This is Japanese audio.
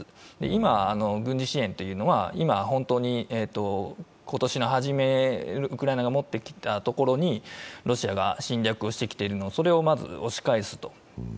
今、軍事支援は今年の初めウクライナが持っていたところにロシアが侵略してきているのを、まず押し返すと。